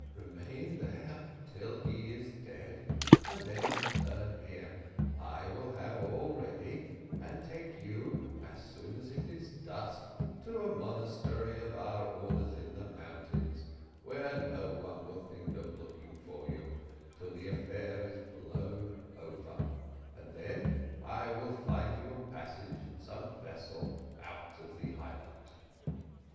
Remain there till he is dead, and then return here. I will have all ready, and take you, as soon as it is dusk, to a monastery of our order in the mountains, where no one will think of looking for you till the affair is blown over; and then I will find you a passage in some vessel out of the island."